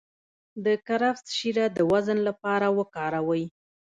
د کرفس شیره د وزن لپاره وکاروئ